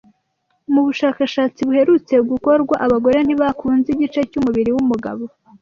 Mu bushakashatsi buherutse gukorwa abagore ntibakunze igice cyumubiri wumugabo